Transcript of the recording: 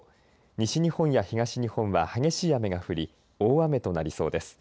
西日本や東日本は激しい雨が降り大雨となりそうです。